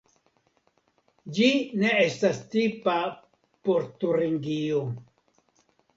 Ĝi ne estas tipa por Turingio.